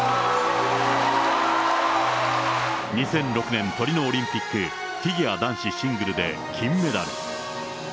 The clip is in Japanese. ２００６年トリノオリンピック、フィギュア男子シングルで金メダル。